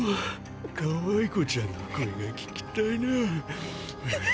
かわいこちゃんの声が聞きたいな。